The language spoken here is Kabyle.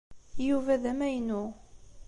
Yuba d amaynu.